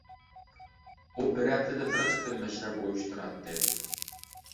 ئۇ بىر ھەپتىدە بىر قېتىم مەشرەپ ئۇيۇشتۇراتتى.